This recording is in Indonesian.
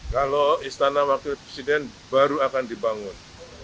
kalau istana wakil presiden baru akan dibangun